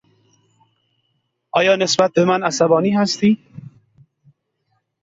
آیا نسبت به من عصبانی هستی؟